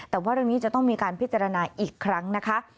แต่ว่าเรื่องนี้จะต้องมีการพิจารณาอีกครั้งนะคะ